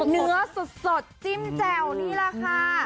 เนื้อสดจิ้มแจ่วนี่แหละค่ะ